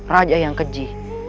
raja yang keji